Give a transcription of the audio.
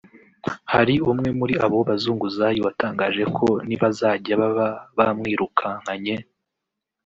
Hari umwe muri abo bazunguzayi watangaje ko nibazajya baba bamwirukankanye